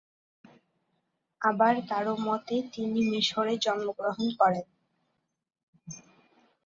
আবার কারো মতে তিনি মিশরে জন্মগ্রহণ করেন।